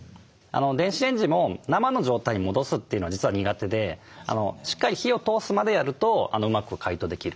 電子レンジも生の状態に戻すというのは実は苦手でしっかり火を通すまでやるとうまく解凍できる。